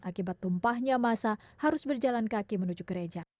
akibat tumpahnya masa harus berjalan kaki menuju gereja